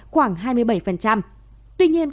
khoảng hai mươi bảy tuy nhiên